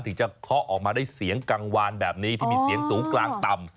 ถึงจะเคาะออกมาได้เสียงกังวานแบบนี้ที่มีเสียงสูงกลางต่ำ